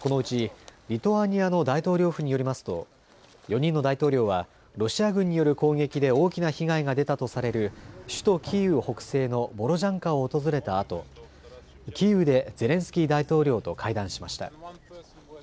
このうちリトアニアの大統領府によりますと４人の大統領はロシア軍による攻撃で大きな被害が出たとされる首都キーウ北西のボロジャンカを訪れたあとキーウでゼレンスキー大統領と会談しました。